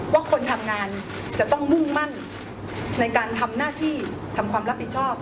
ว่าคนทำงานจะต้องมุ่งมั่นในการทำหน้าที่ทำความรับผิดชอบ